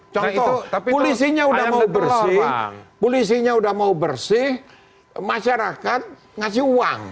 contoh polisinya udah mau bersih polisinya udah mau bersih masyarakat ngasih uang